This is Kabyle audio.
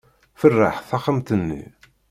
Feṛṛeḥ taxxamt-nni.